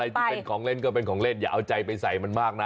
ที่เป็นของเล่นก็เป็นของเล่นอย่าเอาใจไปใส่มันมากนะ